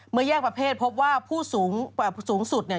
แยกประเภทพบว่าผู้สูงสุดเนี่ย